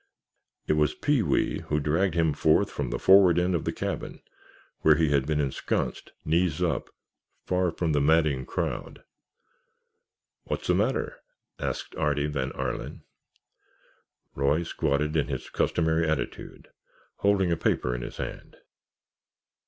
It was Pee wee who dragged him forth from the forward end of the cabin, where he had been ensconced, knees up, "far from the madding crowd." "What's the matter?" asked Artie Van Arlen. Roy squatted in his customary attitude, holding a paper in his hand.